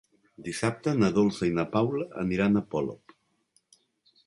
Dissabte na Dolça i na Paula aniran a Polop.